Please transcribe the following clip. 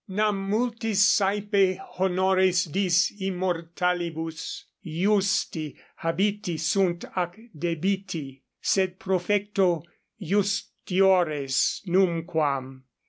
Nam multi saepe honores dis immortalibus iusti habiti sunt ac debiti, sed profecto iustiores numquam.